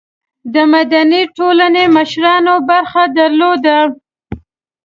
د مدني ټولنو مشرانو برخه درلوده.